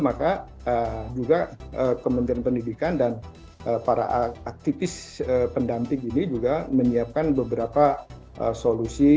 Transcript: maka juga kementerian pendidikan dan para aktivis pendamping ini juga menyiapkan beberapa solusi